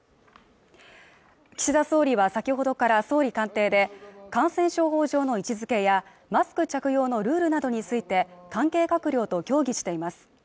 岸田総理は先ほどから総理官邸で感染症法上の位置づけやマスク着用のルールなどについて関係閣僚と協議しています